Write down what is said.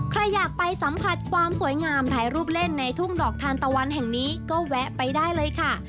ใครอยากไปสัมผัสความสวยงามถ่ายรูปเล่นในทุ่งดอกทานตะวันแห่งนี้ก็แวะไปได้เลยค่ะ